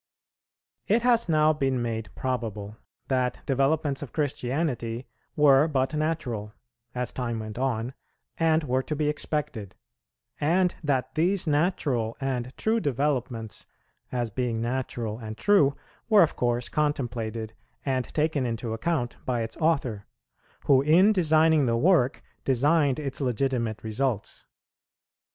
It has now been made probable that developments of Christianity were but natural, as time went on, and were to be expected; and that these natural and true developments, as being natural and true, were of course contemplated and taken into account by its Author, who in designing the work designed its legitimate results.